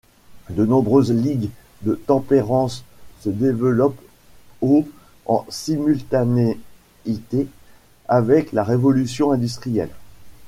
De nombreuses Ligues de tempérance se développent au en simultanéité avec la révolution industrielle.